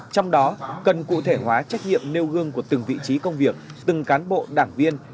trong đó cần cụ thể hóa trách nhiệm nêu gương của từng vị trí công việc từng cán bộ đảng viên